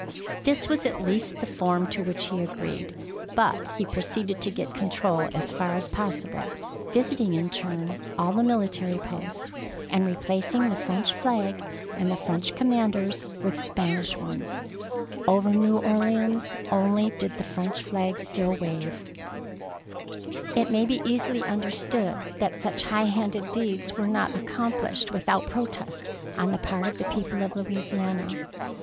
This was at least the form to which he agreed ; but he proceeded to get con trol as far as possible, visiting in turn all the military posts, and replacing the French flag and the French command ers with Spanish ones. Over New Orleans alone did the French flag still wave. 198 THE PEARL NECKLACE It may be easily understood that such high handed deeds were not accom plished without protest on the part of the people of Louisiana.